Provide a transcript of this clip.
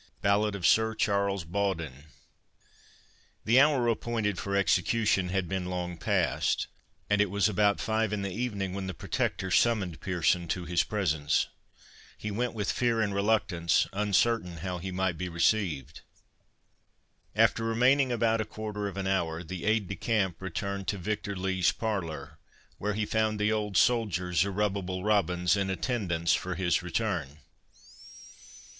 BALLAD OF SIR CHARLES BAWDIN. The hour appointed for execution had been long past, and it was about five in the evening when the Protector summoned Pearson to his presence. He went with fear and reluctance, uncertain how he might be received. After remaining about a quarter of an hour, the aide de camp returned to Victor Lee's parlour, where he found the old soldier, Zerubbabel Robins, in attendance for his return.